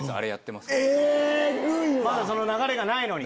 まだその流れがないのに。